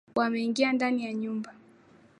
Wameingia ndani ya nyumba